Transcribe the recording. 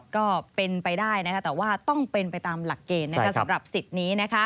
ก็เป็นไปได้แต่ว่าต้องเป็นไปตามหลักเกณฑ์สำหรับสิทธิ์นี้